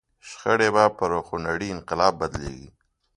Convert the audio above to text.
شخړې به پر خونړي انقلاب بدلېږي.